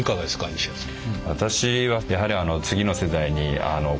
西谷さん。